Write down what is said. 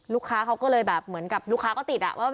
ลูกค้าเขาก็เลยแบบเหมือนกับลูกค้าก็ติดอ่ะว่า